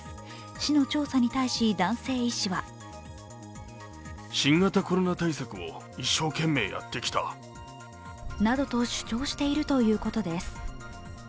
市の調査に対し男性医師はなどと主張しているということです。